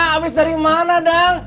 abis dari mana dang